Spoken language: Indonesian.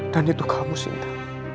dan itu kamu sinta